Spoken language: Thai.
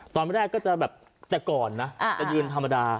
ตอนแรกก็จะแบบแต่ก่อนนะจะยืนธรรมดา